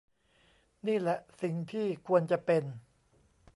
นี่แหละสิ่งที่ควรจะเป็น